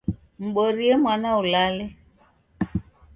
Mborie mwana ulale.